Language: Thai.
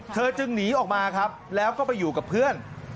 เธอจึงหนีออกมาครับแล้วก็ไปอยู่กับเพื่อน